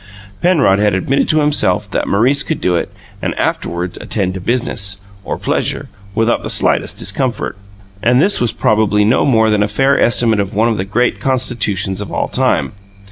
Penrod had admitted to himself that Maurice could do it and afterward attend to business, or pleasure, without the slightest discomfort; and this was probably no more than a fair estimate of one of the great constitutions of all time.